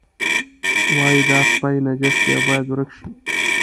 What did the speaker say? وایي دا سپی نجس دی او باید ورک شي.